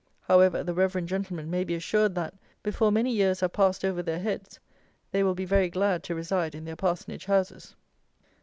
However, the "reverend" gentleman may be assured that, before many years have passed over their heads, they will be very glad to reside in their parsonage houses.